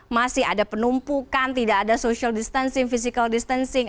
masih ada penumpukan tidak ada social distancing physical distancing